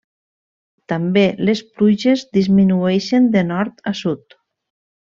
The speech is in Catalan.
També les pluges disminueixen de nord a sud.